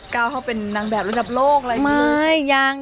ก้าวเขาเป็นนางแบบระดับโลกอะไรไหม